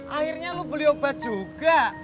akhirnya lu beli obat juga